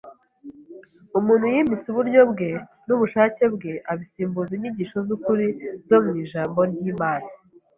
Umuntu yimitse uburyo bwe n’ubushake bwe abisimbuza inyigisho z’ukuri zo mu ijambo ry’Imana